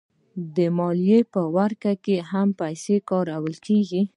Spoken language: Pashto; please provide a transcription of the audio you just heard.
د مال په ورکړه کې هم پیسې کارول کېږي